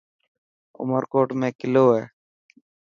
عمرڪوٽ ۾ ڪلو هي.